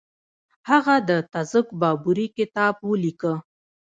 هغه د تزک بابري کتاب ولیکه.